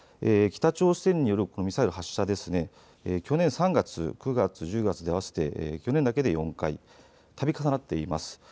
北朝鮮によるミサイル発射、去年３月、９月、１０月で合わせて去年だけで４回、たび重なっています。